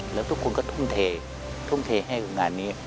แล้วทุกคนก็ทุ่มเททุ่มเทให้กับงานนี้